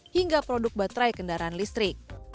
hingga produk baterai kendaraan listrik